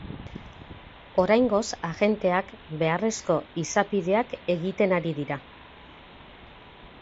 Oraingoz, agenteak beharrezko izapideak egiten ari dira.